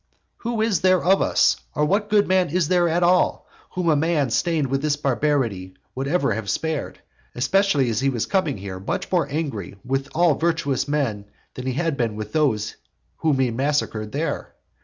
Who is there of us, or what good man is there at all, whom a man stained with this barbarity would ever have spared; especially as he was coming hither much more angry with all virtuous men than he had been with those whom he had massacred there?